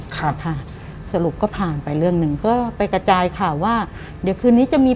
ครับค่ะสรุปก็ผ่านไปเรื่องหนึ่งก็ไปกระจายข่าวว่าเดี๋ยวคืนนี้จะมี